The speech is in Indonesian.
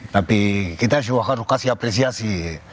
tapi kita juga harus kasih apresiasi